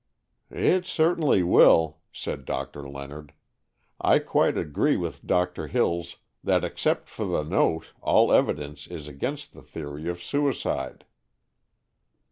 "It certainly will," said Doctor Leonard. "I quite agree with Doctor Hills that except for the note all evidence is against the theory of suicide."